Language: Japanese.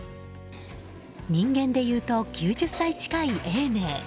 人間でいうと９０歳近い、永明。